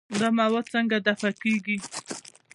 دا مواد څنګه دفع کېږي؟